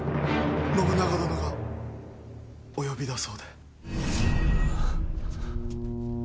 信長殿がお呼びだそうで。